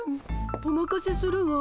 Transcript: おまかせするわ。